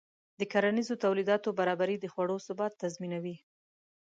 د کرنیزو تولیداتو برابري د خوړو ثبات تضمینوي.